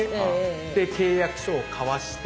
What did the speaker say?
で契約書を交わして。